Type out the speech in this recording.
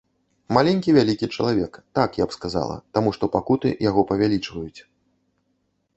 Маленькі вялікі чалавек, так я б сказала, таму што пакуты яго павялічваюць.